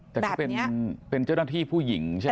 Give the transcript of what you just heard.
แต่ก็เป็นเจ้าหน้าที่ผู้หญิงใช่ไหม